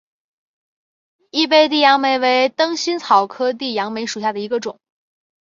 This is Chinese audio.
异被地杨梅为灯心草科地杨梅属下的一个种。